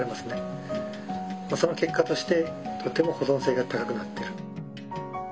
その結果としてとても保存性が高くなってる。